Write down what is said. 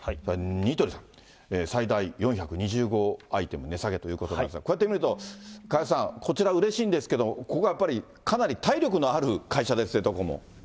ニトリさん、最大４２５アイテム値下げということなんですが、こうやって見ると加谷さん、こちら、うれしいんですが、ここはやっぱりかなり体力のある会社ですね、どこも。